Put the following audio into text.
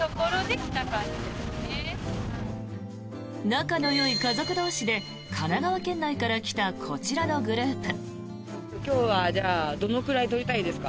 仲のよい家族同士で神奈川県内から来たこちらのグループ。